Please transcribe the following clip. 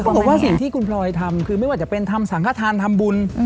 บอกว่าสิ่งที่คุณพลอยทำคือไม่ว่าจะเป็นทำสังฆฐานทำบุญ